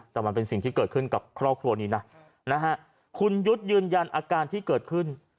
แต่มันเป็นสิ่งที่เกิดขึ้นกับครอบครัวนี้นะนะฮะคุณยุทธ์ยืนยันอาการที่เกิดขึ้น